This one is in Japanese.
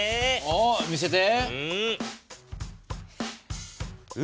おっ見せて。